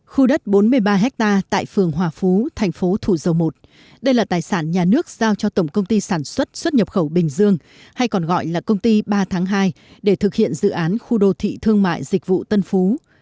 khu đất bốn mươi ba ha tại phường hòa phú thành phố thủ dầu một đây là tài sản nhà nước giao cho tổng công ty sản xuất xuất nhập khẩu bình dương hay còn gọi là công ty ba tháng hai để thực hiện dự án khu đô thị thương mại dịch vụ tân phú